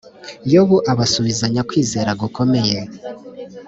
yobu abasubizanya kwizera gukomeye